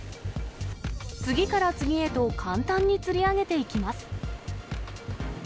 次から次へと簡単に釣り上げていきます。